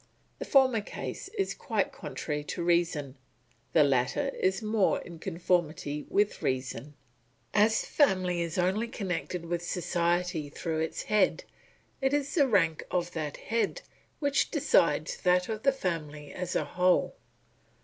The former case is quite contrary to reason, the latter is more in conformity with reason. As the family is only connected with society through its head, it is the rank of that head which decides that of the family as a whole.